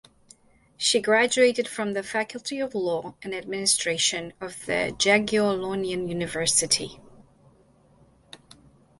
She graduated from the Faculty of Law and Administration of the Jagiellonian University.